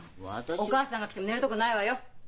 お母さんが来ても寝るとこないわよ。